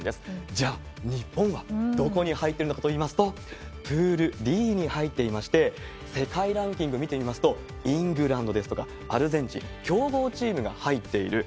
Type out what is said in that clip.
じゃあ、日本はどこに入ってるのかといいますと、プールＤに入っていまして、世界ランキング見てみますと、イングランドですとかアルゼンチン、強豪チームが入っている。